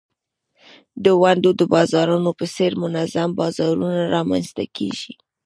د ونډو د بازارونو په څېر منظم بازارونه رامینځته کیږي.